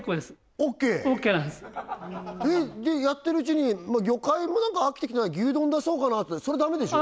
オッケーなんですやってるうちに魚介も飽きてきたな牛丼出そうかなってそれはダメでしょ？